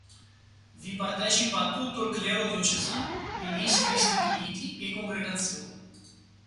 Vi partecipa tutto il clero diocesano, ministri istituiti e congregazioni.